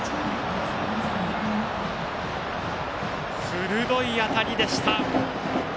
鋭い当たりでした。